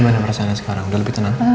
gimana perasaannya sekarang udah lebih tenang